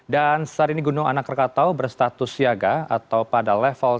dan saat ini gunung anak krakatau berstatus siaga atau pada level tiga